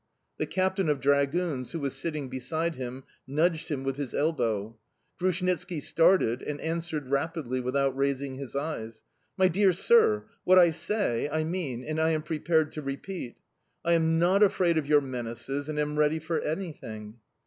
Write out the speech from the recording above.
The captain of dragoons, who was sitting beside him, nudged him with his elbow. Grushnitski started, and answered rapidly, without raising his eyes: "My dear sir, what I say, I mean, and I am prepared to repeat... I am not afraid of your menaces and am ready for anything."